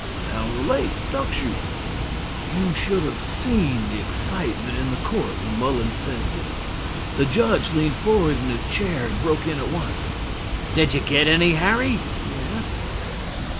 "Down the lake duck shooting." You should have seen the excitement in the court when Mullins said this. The judge leaned forward in his chair and broke in at once. "Did you get any, Harry?" he asked.